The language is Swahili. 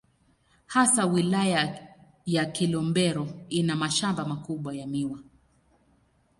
Hasa Wilaya ya Kilombero ina mashamba makubwa ya miwa.